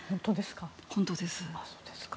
本当ですか？